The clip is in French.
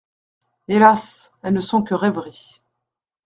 Hélas ! elles ne sont que rêveries.